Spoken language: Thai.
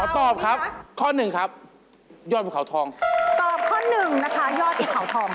ตอบข้อหนึ่งนะคะยอดภูเขาทองค่ะ